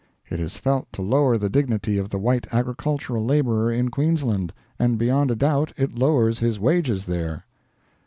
It is felt to lower the dignity of the white agricultural laborer in Queensland, and beyond a doubt it lowers his wages there.